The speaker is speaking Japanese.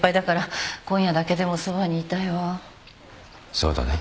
そうだね。